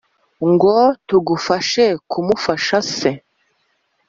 ngo tugufashe kumushaka se?